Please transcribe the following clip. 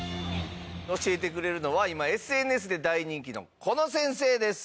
教えてくれるのは今ＳＮＳで大人気のこの先生です。